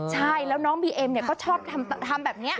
ใช่แล้วน้องบีเอ็มเนี่ยก็ชอบทำแบบนี้